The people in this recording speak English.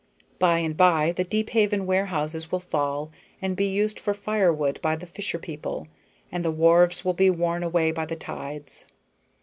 By and by the Deephaven warehouses will fall and be used for firewood by the fisher people, and the wharves will be worn away by the tides.